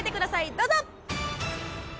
どうぞ！